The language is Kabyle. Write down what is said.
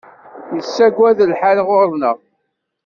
Yessagad lḥal ɣur-neɣ.